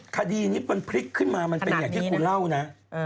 คดีนี้คุณพลิกขึ้นมามันเป็นอย่างอย่างเกี่ยวกับหุ้นเหล้านะ